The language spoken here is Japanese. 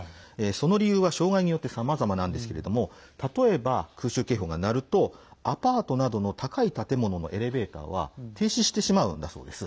その理由は障害によってさまざまなんですけれども例えば、空襲警報が鳴るとアパートなどの高い建物のエレベーターは停止してしまうんだそうです。